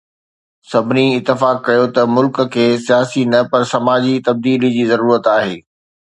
سڀني اتفاق ڪيو ته ملڪ کي سياسي نه پر سماجي تبديلي جي ضرورت آهي.